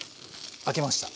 空けました。